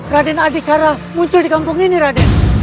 raden adikara muncul di kampung ini raden